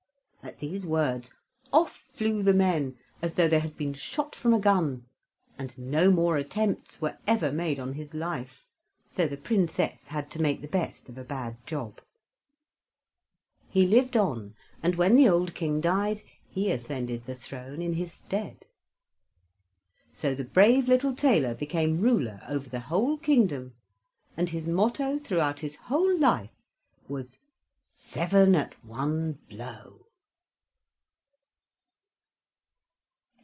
At these words off flew the men as though they had been shot from a gun, and no more attempts were ever made on his life. So the Princess had to make the best of a bad job. He lived on and when the old King died he ascended the throne in his stead. So the brave little tailor became ruler over the whole kingdom; and his motto throughout his whole life was, "Seven at one blow."